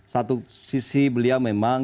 satu sisi beliau memang